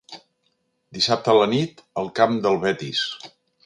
Dissabte a la nit, al camp del Betis.